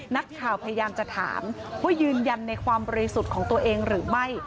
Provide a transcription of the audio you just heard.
นักข่าวพยายามจะถามว่ายืนยันในความบริสุทธิ์ของตัวเองหรือไม่